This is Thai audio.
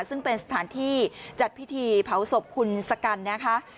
ซึ่งเป็นสถานที่จัดพิธีเผาศพคุณสกันนะคะ